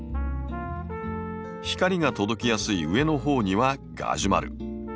光が届きやすい上のほうにはガジュマル。